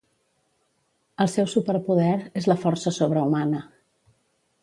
El seu superpoder és la força sobrehumana.